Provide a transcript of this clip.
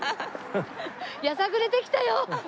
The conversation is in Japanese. やさぐれてきたよ！